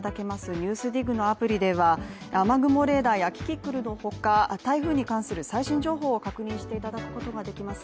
「ＮＥＷＳＤＩＧ」のアプリでは雨雲レーダーやキキクルのほか、台風に関する最新情報を確認していただくことができます。